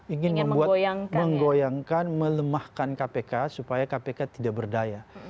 ingin membuat menggoyangkan melemahkan kpk supaya kpk tidak berdaya